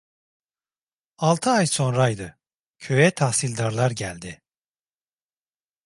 Altı ay sonraydı, köye tahsildarlar geldi.